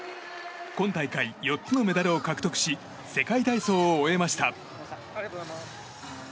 今大会４つのメダルを獲得し世界体操を終えました。